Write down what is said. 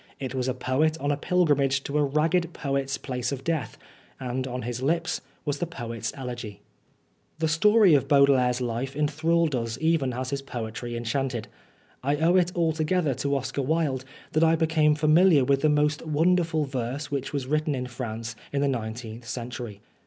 It was a poet on a pilgrimage to a ragged poet's place of death, and on his lips was the poet's elegy. The story of Baudelaire's life enthralled us even as his poetry enchanted. I owe it altogether to Oscar Wilde that I became 45 Oscar Wilde familiar with the most wonderful verse which was written in France in the nineteenth century.